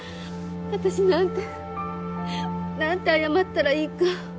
私なんてなんて謝ったらいいか。